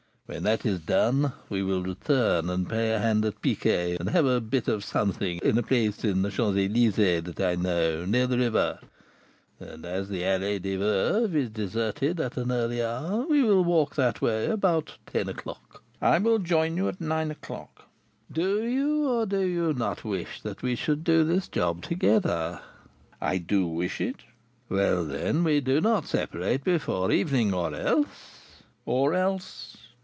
When that is done, we will return and play a hand at piquet, and have a bit of something in a place in the Champs Elysées that I know, near the river; and, as the Allée des Veuves is deserted at an early hour, we will walk that way about ten o'clock." "I will join you at nine o'clock." "Do you or do you not wish that we should do this job together?" "I do wish it." "Well, then, we do not separate before evening, or else " "Or else?"